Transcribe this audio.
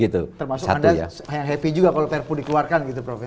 termasuk anda yang happy juga kalau perpu dikeluarkan gitu prof ya